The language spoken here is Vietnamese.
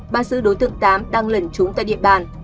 ba sứ đối tượng tám đang lẩn trúng tại địa bàn